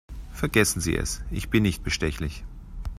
Vergessen Sie es, ich bin nicht bestechlich.